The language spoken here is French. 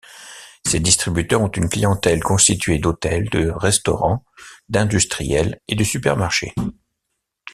Ces distributeurs ont une clientèle constituée d'hôtels, de restaurants, d'industriels et de supermarchés.